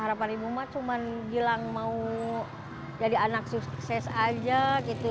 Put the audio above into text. harapan ibu mah cuma gilang mau jadi anak sukses aja gitu